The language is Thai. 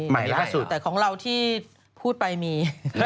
ใหม่ได้เหรอแต่ของเราที่พูดไปมี